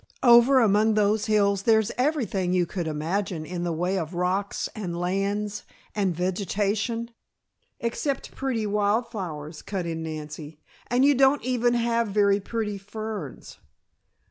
"Over among those hills there's everything you could imagine in the way of rocks and lands and vegetation " "Except pretty wild flowers," cut in Nancy. "And you don't even have very pretty ferns."